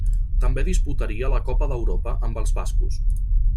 També disputaria la Copa d'Europa amb els bascos.